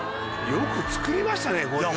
よくつくりましたね。